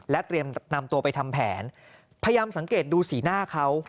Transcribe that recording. เตรียมนำตัวไปทำแผนพยายามสังเกตดูสีหน้าเขา